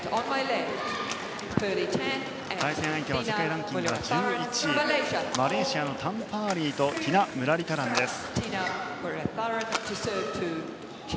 対戦相手は世界ランキング１１位マレーシアのタン・パーリーとティナ・ムラリタランです。